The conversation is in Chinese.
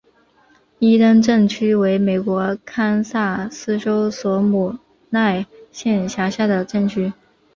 伊登镇区为美国堪萨斯州索姆奈县辖下的镇区。